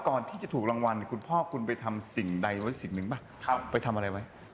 ก่อนที่จะถูกรางวัลคุณพ่อคุณไปทำมีอะไร